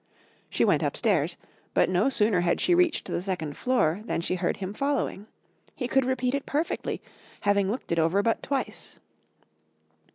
She went up stairs, but no sooner had she reached the second floor than she heard him following. He could repeat it perfectly, having looked it over but twice.